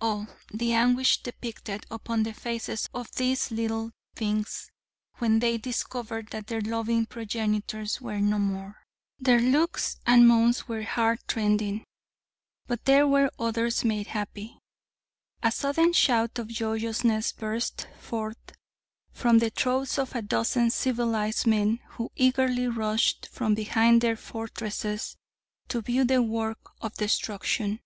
Oh, the anguish depicted upon the faces of these little things when they discovered that their loving progenitors were no more. Their looks and moans were heartrending. But there were others made happy. A sudden shout of joyousness burst forth from the throats of a dozen civilized men who eagerly rushed from behind their fortresses to view the work of destruction.